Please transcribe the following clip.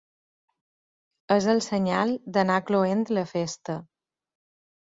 És el senyal d'anar cloent la festa.